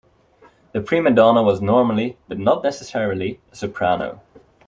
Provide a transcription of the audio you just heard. The prima donna was normally, but not necessarily, a soprano.